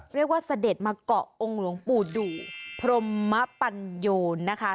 เรียกว่าเสด็จมาเกาะองค์หลวงปู่ดูพรมมะปัญโยนนะคะ